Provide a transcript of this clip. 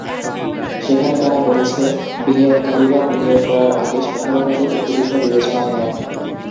সেখানে তারা বলছে, বিনিয়োগকারীরা বিনিয়োগ করার আগে সাধারণত তিনটি বিষয় বিবেচনায় নেন।